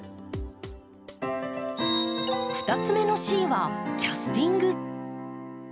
２つ目の「Ｃ」は「キャスティング」。